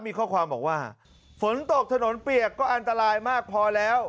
มีข้อความบอกว่าฝนตกถนนเปียกก็อันตรายมากพอแล้ว